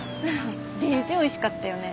デージおいしかったよね。